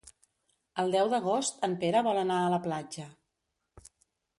El deu d'agost en Pere vol anar a la platja.